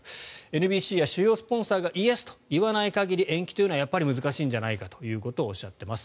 ＮＢＣや主要スポンサーがイエスと言わない限り延期は難しいんじゃないかとおっしゃっています。